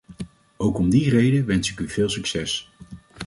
Ook om die reden wens ik u veel succes.